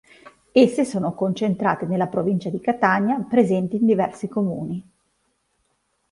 Esse sono concentrate nella provincia di Catania, presenti in diversi comuni.